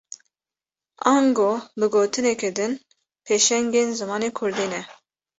Ango bi gotineke din, pêşengên zimanê Kurdî ne